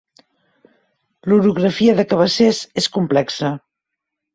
L'orografia de Cabassers és complexa.